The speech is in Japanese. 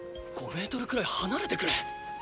５ｍくらい離れてくれ！